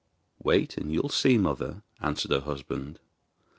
'Wait and you'll see, mother,' answered her husband.